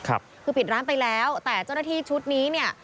คือปิดร้านไปแล้วแต่เจ้าหน้าที่ชุดนี้เนี่ย